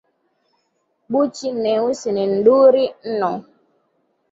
Buchi neusi ni nduri nno.